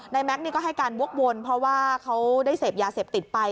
แม็กซนี่ก็ให้การวกวนเพราะว่าเขาได้เสพยาเสพติดไป